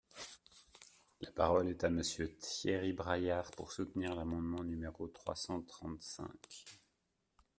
La parole est à Monsieur Thierry Braillard, pour soutenir l’amendement numéro trois cent trente-cinq.